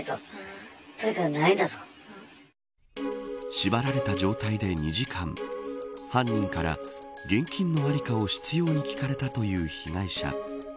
縛られた状態で２時間犯人から現金の在りかを執拗に聞かれたという被害者。